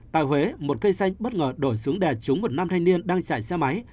tại huế một cây xanh bất ngờ đổ xuống đè trúng một nam thanh niên đang chạy xe máy